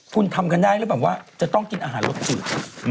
คุณทำกันได้หรือเปล่าว่าจะต้องกินอาหารรสจืด